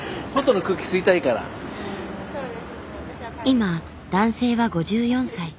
今男性は５４歳。